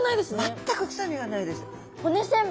全く臭みがないです。